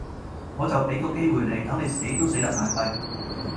我就畀個機會你，等你死都死得眼閉